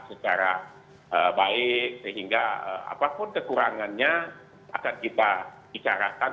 secara baik sehingga apapun kekurangannya akan kita bicarakan